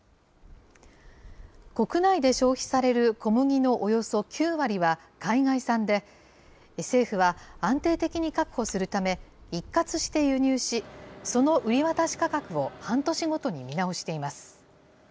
国内で消費される小麦のおよそ９割は海外産で、政府は安定的に確保するため、一括して輸入し、その売り渡し価格を半年ごとに見直しています。